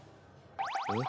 えっ